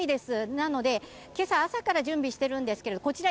なので今朝、朝から準備してるんですけれどこちら